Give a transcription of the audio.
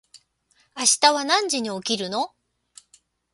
明日は何時に起きるの？